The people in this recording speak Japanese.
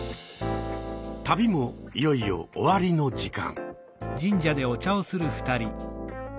旅もいよいよ終わりの時間。